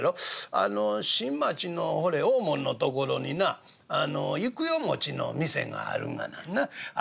あの新町のほれ大門のところにな幾代の店があるがななあ。